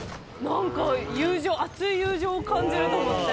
そう熱い友情を感じると思って。